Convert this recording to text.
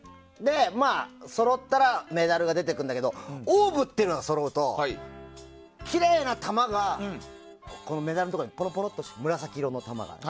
そろったらメダルが出てくるんだけどオーブっていうのがそろうときれいな球がメダルのところにぽろぽろって、紫色の球が。